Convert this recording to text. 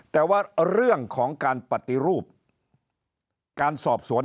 แต่ว่าเรื่องของการปฏิรูปการสอบสวน